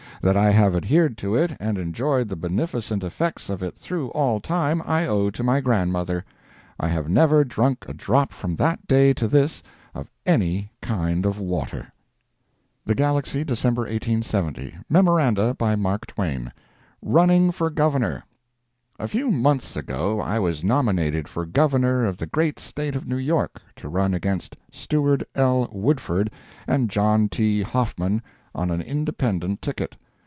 That I have adhered to it and enjoyed the beneficent effects of it through all time, I owe to my grandmother. I have never drunk a drop from that day to this of any kind of water. THE GALAXY, December 1870 MEMORANDA. BY MARK TWAIN. RUNNING FOR GOVERNOR. A few months ago I was nominated for Governor of the great State of New York, to run against Stewart L. Woodford and John T. Hoffman, on an independent ticket.